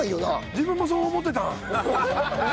自分もそう思ってたん？